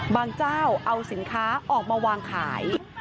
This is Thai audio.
เจ้าเอาสินค้าออกมาวางขาย